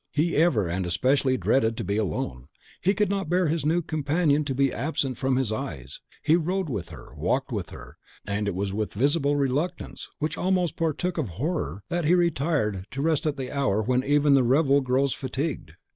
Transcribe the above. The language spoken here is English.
He ever and especially dreaded to be alone; he could not bear his new companion to be absent from his eyes: he rode with her, walked with her, and it was with visible reluctance, which almost partook of horror, that he retired to rest at an hour when even revel grows fatigued.